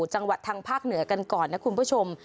จังหวัดทางภาคเหนือกันก่อนนะคุณผู้ชม